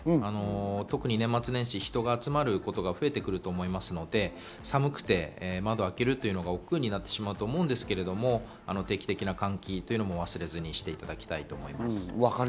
特に年末年始、人が集まることが増えてくると思いますので、寒くて窓を開けるのが億劫になってしまうと思うんですけど、定期的な換気というのを忘れずにしていただきたいと思います。